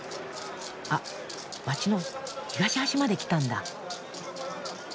あっ街の東端まで来たんだ。